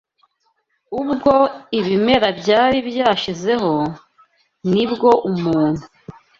ubwo ibimera byari byashizeho, ni bwo umuntu